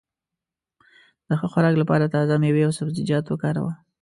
د ښه خوراک لپاره تازه مېوې او سبزيجات وکاروه.